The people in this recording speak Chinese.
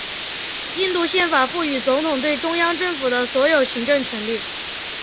印度宪法赋予总统对中央政府的所有行政权力。